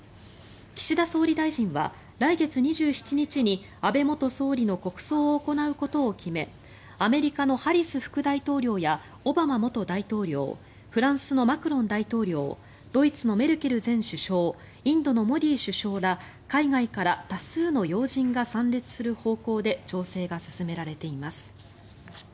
岸田総理大臣は、来月２７日に安倍元総理の国葬を行うことを決めアメリカのハリス副大統領やオバマ元大統領フランスのマクロン大統領ドイツのメルケル前首相インドのモディ首相ら海外から多数の要人が参列する方向で調整が進められています。